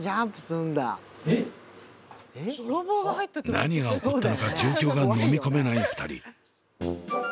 何が起こったのか状況が飲み込めない２人。